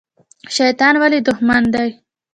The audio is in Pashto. شیطان ولې دښمن دی؟